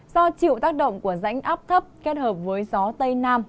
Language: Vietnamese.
do chịu tác động của rãnh áp thấp kết hợp với gió tây nam